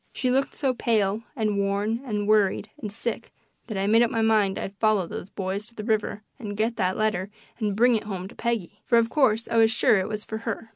She looked so pale and worn and worried and sick that I made up my mind I'd follow those boys to the river and get that letter and bring it home to Peggy for, of course, I was sure it was for her.